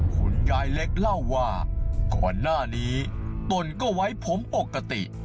คุณยายเล็กเล่าว่าก่อนหน้านี้ตนก็ไว้ผมปกติ